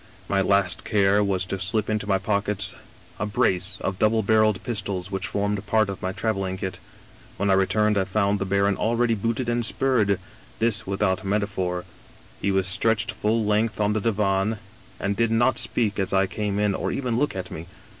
My last care was to slip into my pockets a brace of double barreled pistols which formed part of my traveling kit. When I returned I found the baron already booted and spurred ; this without meta phor. He was stretched full length on the divan, and did not speak as I came in, or even look at me.